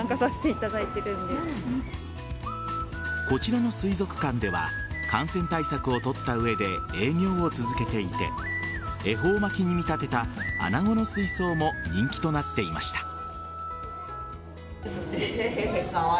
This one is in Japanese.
こちらの水族館では感染対策を取った上で営業を続けていて恵方巻きに見立てた穴子の水槽も人気となっていました。